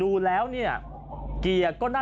สวัสดีครับ